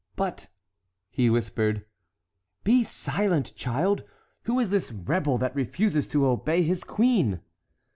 "But"—he whispered. "Be silent, child—who is this rebel that refuses to obey his queen?"